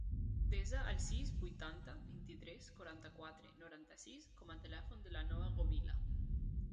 Desa el sis, vuitanta, vint-i-tres, quaranta-quatre, noranta-sis com a telèfon de la Noa Gomila.